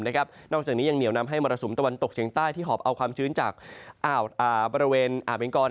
นอกจากนี้ยังเหนียวนำให้มรสุมตะวันตกเฉียงใต้ที่หอบเอาความชื้นจากบริเวณอ่าวเบงกอ